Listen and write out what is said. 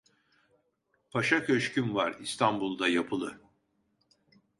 Paşa köşküm var İstanbul'da yapılı.